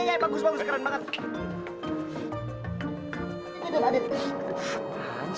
iya bagus bagus keren banget